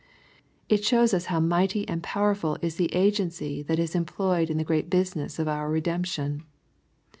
It shows us how mighty and powerful is the agency that is employed in the great business of our redemption.